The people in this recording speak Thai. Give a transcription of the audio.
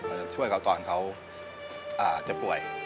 ช่วยเขาตอนเขาเจ็บป่วย